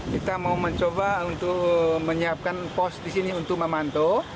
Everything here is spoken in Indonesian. kita mau mencoba untuk menyiapkan pos di sini untuk memantau